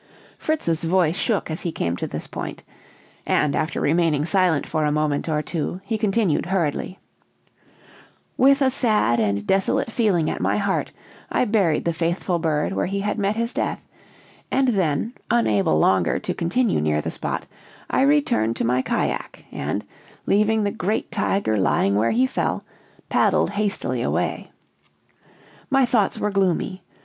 Fritz's voice shook as he came to this point; and, after remaining silent for a moment or two, he continued hurriedly: "With a sad and desolate feeling at my heart, I buried the faithful bird where he had met his death; and then, unable longer to continue near the spot, I returned to my cajack, and leaving the great tiger lying where he fell, paddled hastily away. "My thoughts were gloomy.